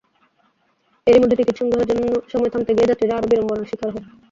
এরই মধ্যে টিকিট সংগ্রহের সময় থামতে গিয়ে যাত্রীরা আরও বিড়ম্বনার শিকার হয়।